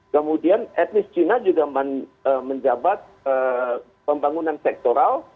kemudian etnis cina juga menjabat pembangunan sektoral